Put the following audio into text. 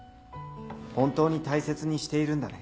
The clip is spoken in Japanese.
本当に大切にしているんだね。